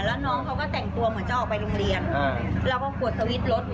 แล้วน้องเขาก็แต่งตัวเหมือนจะออกไปโรงเรียนเราก็กดสวิตช์รถ